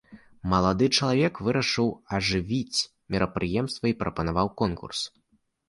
Малады чалавек вырашыў ажывіць мерапрыемства і прапанаваў конкурс.